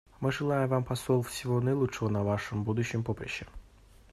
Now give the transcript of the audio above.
Мы желаем вам, посол, всего наилучшего на вашем будущем поприще.